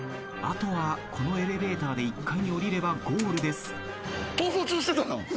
あとはこのエレベーターで１階に降りればゴールです。